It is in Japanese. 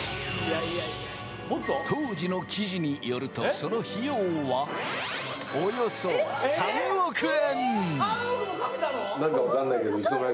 当時の記事によると、その費用は、およそ３億円！